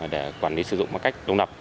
để quản lý sử dụng một cách đồng lập